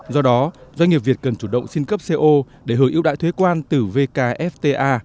do đó doanh nghiệp việt cần chủ động xin cấp co để hưởng ưu đại thuế quan từ vkfta